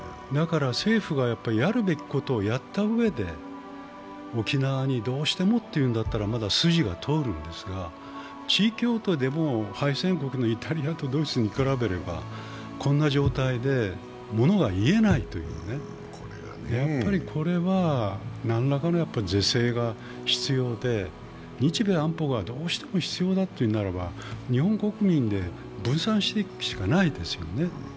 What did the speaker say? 政府がやるべきことをやったうえで、沖縄にどうしてもということならまだ筋が通るんですが、地位協定でも敗戦国のイタリアとドイツに比べればこんな状態でものが言えないというね、やっぱりこれは何らかの是正が必要で、日米安保がどうしても必要だというならば日本国民で分散していくしかないですよね。